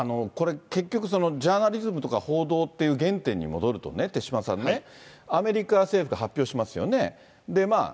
これ、結局ジャーナリズムとか報道っていう原点に戻るとね、手嶋さんね、アメリカ政府が発表しますよね。